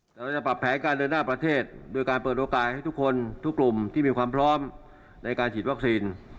แต่เราจะปรับแผนการเดินหน้าประเทศโดยการเปิดโอกาสให้ทุกคนทุกกลุ่มที่มีความพร้อมในการฉีดวัคซีน